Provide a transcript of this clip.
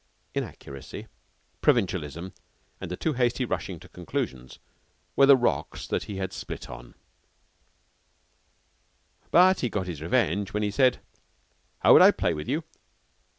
Inaccuracy, provincialism, and a too hasty rushing to conclusions, were the rocks that he had split on, but he got his revenge when he said: "How would I play with you?